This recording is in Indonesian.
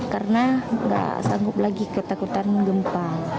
karena nggak sanggup lagi ketakutan gempa